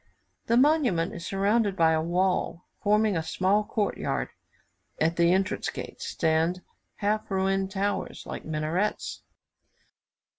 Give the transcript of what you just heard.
The monument is surrounded by a wall, forming a small court yard; at the entrance gates stand half ruined towers, like minarets.